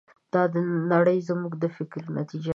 دا نړۍ زموږ د فکر نتیجه ده.